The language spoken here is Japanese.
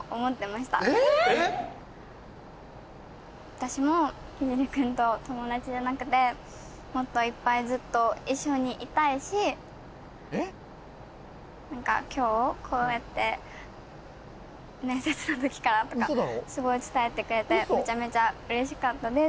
私も聖君と友達じゃなくてもっといっぱいずっと一緒にいたいし何か今日こうやって面接のときからとかすごい伝えてくれてめちゃめちゃ嬉しかったです